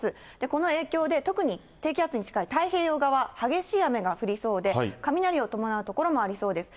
この影響で、特に低気圧に近い太平洋側、激しい雨が降りそうで、雷を伴う所もありそうです。